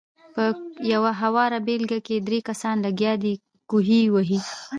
پۀ يوه هواره بګله کښې درې کسان لګيا دي کوهے وهي